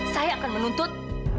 saya akan menuntut